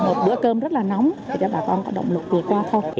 một bữa cơm rất là nóng để cho bà con có động lực vượt qua không